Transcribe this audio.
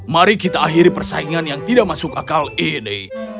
mari kita akhiri persaingan yang tidak masuk akal ini